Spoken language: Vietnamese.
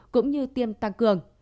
cũng như tiêm tăng cường